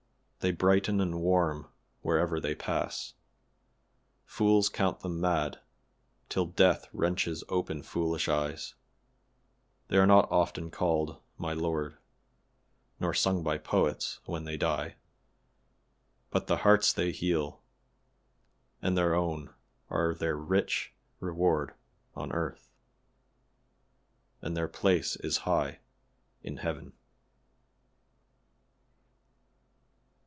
They brighten and warm wherever they pass. Fools count them mad, till death wrenches open foolish eyes; they are not often called "my Lord," * nor sung by poets when they die; but the hearts they heal, and their own are their rich reward on earth and their place is high in heaven.